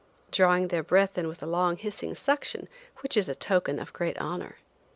drawing in their breath with a long, hissing suction, which is a token of great honor.